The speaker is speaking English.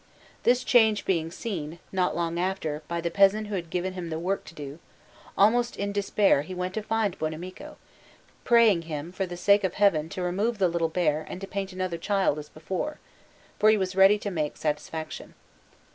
This change being seen, not long after, by the peasant who had given him the work to do, almost in despair he went to find Buonamico, praying him for the sake of Heaven to remove the little bear and to paint another child as before, for he was ready to make satisfaction.